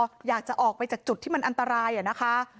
ก็อยากจะออกไปจากจุดที่มันอันตรายอะนะคะ